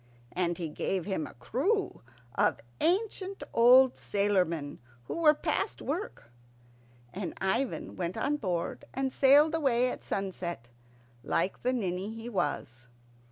And he gave him a crew of ancient old sailormen who were past work; and Ivan went on board and sailed away at sunset, like the ninny he was.